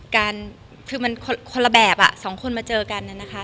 กันคือมันคนละแบบสองคนมาเจอกันน่ะนะคะ